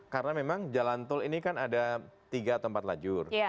karena memang jalan tol ini kan ada tiga atau empat lajur